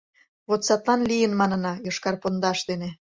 — Вот садлан лийын манына: йошкар пондаш дене...